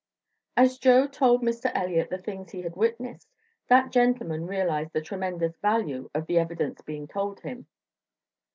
As Joe told Mr. Elliott the things he had witnessed, that gentleman realized the tremendous value of the evidence being told him.